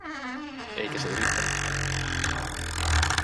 Eikä se yrittänytkään.